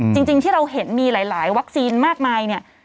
จริงที่เราเห็นมีหลายวัคซีนมากมายเนี่ย